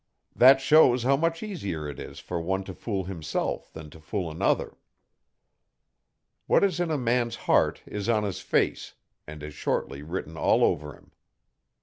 That shows how much easier it is for one to fool himself than to fool another. What is in a man's heart is on his face, and is shortly written all over him.